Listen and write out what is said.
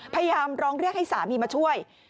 พยายามร้องเรียกให้สามีมาช่วย